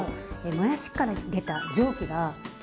もやしから出た蒸気が対流して。